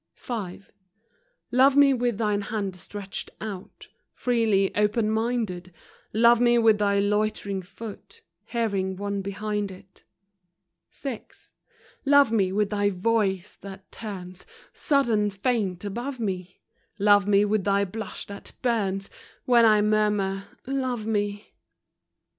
v, Love me with thine hand stretched out Freely, open minded ; Love me with thy loitering foot, Hearing one behind it. vi. Love me with thy voice, that turns Sudden faint above me ; Love me with thy blush that burns When I murmur " Love me